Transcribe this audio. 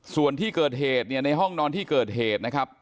ส่วนที่เกิดเหตุเนี่ยในห้องนอนที่เกิดเหตุนะครับ